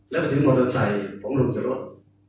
แล้วถึงมอเตอร์ไซค์ผมลงจากรถ